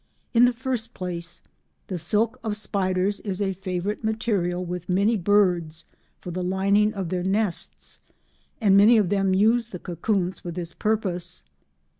In the first place, the silk of spiders is a favourite material with many birds for the lining of their nests, and many of them use the cocoons for this purpose.